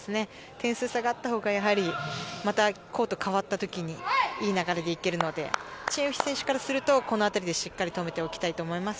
点数差があったほうがまたコートが変わった時にいい流れでいけるのでチン・ウヒ選手からするとこの辺りでしっかり止めておきたいと思います。